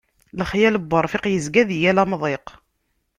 Lexyal n urfiq, yezga di yal amḍiq.